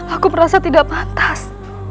aku merasa tidak pantas